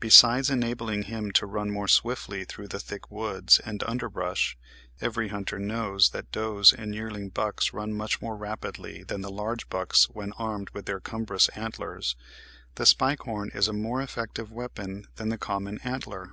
Besides enabling him to run more swiftly through the thick woods and underbrush (every hunter knows that does and yearling bucks run much more rapidly than the large bucks when armed with their cumbrous antlers), the spike horn is a more effective weapon than the common antler.